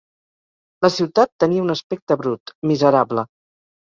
La ciutat tenia un aspecte brut, miserable